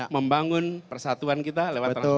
membangun persatuan kita lewat transportasi